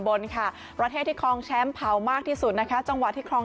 บนค่ะประเทศที่คลองแชมป์เผามากที่สุดนะคะจังหวะที่ครอง